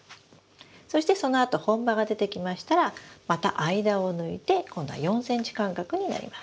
そしてそのあと本葉が出てきましたらまた間を抜いて今度は４ｃｍ間隔になります。